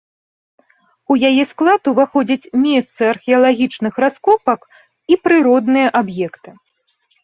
У яе склад уваходзяць месцы археалагічных раскопак і прыродныя аб'екты.